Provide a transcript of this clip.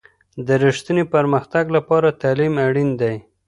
د رښتیني پرمختګ لپاره تعلیم اړین دی.